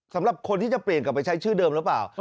สำหรับคนที่จะเปลี่ยนกลับไปใช้ชื่อเดิมหรือเปล่า